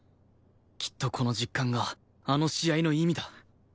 きっとこの実感があの試合の意味だ